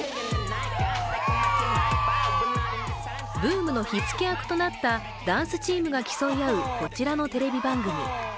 ブームの火付け役となった、ダンスチームが競い合うこちらのテレビ番組。